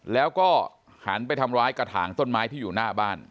แล้วก็หันไปทำร้ายกระถางต้นไม้ที่อยู่หน้าบ้าน